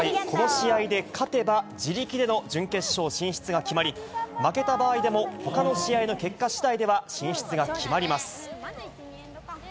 この試合で勝てば自力での準決勝進出が決まり、負けた場合でも、ほかの試合の結果しだいでは進出が決まります。